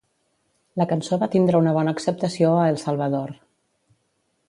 La cançó va tindre una bona acceptació a El Salvador.